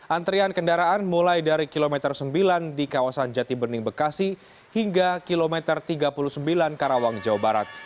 antrian kendaraan mulai dari kilometer sembilan di kawasan jati bening bekasi hingga kilometer tiga puluh sembilan karawang jawa barat